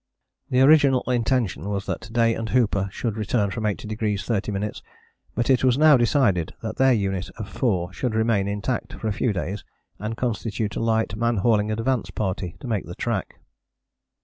" The original intention was that Day and Hooper should return from 80° 30´, but it was now decided that their unit of four should remain intact for a few days, and constitute a light man hauling advance party to make the track.